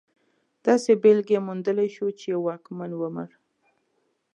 داسې بېلګې موندلی شو چې یو واکمن ومړ.